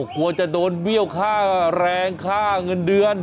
กลัวจะโดนเบี้ยวค่าแรงค่าเงินเดือน